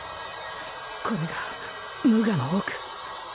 これが無我の奥。